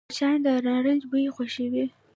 مچان د نارنج بوی خوښوي